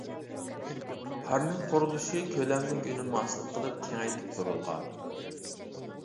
پارنىك قۇرۇلۇشى كۆلەملىك ئۈنۈم ھاسىل قىلىپ كېڭەيتىپ قۇرۇلغان.